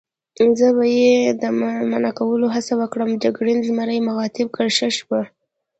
زه به یې د منع کولو هڅه وکړم، جګړن زمري مخاطب کړ: ښه شپه.